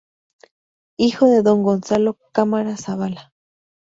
Hijo de don Gonzalo Cámara Zavala.